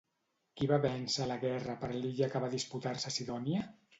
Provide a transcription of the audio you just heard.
Qui va vèncer a la guerra per l'illa que va disputar-se a Cidònia?